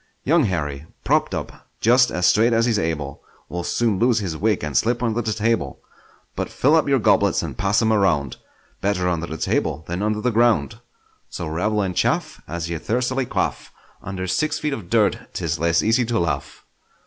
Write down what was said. Young Harry, propp'd up just as straight as he's able, Will soon lose his wig and slip under the table; But fill up your goblets and pass 'em around— Better under the table than under the ground! So revel and chaff As ye thirstily quaff: Under six feet of dirt 'tis less easy to laugh!